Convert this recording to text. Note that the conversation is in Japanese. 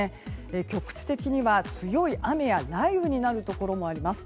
局地的には強い雨や雷雨になるところもあります。